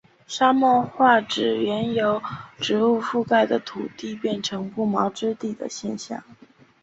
沙漠化指原由植物覆盖的土地变成不毛之地的现象。